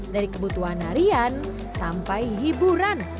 dari kebutuhan harian sampai hiburan